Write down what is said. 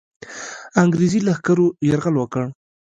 انګرېزي لښکرو یرغل وکړ.